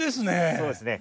そうですね。